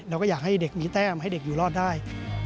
เราก็อยากให้เด็กมีแต้มให้เด็กอยู่รอดได้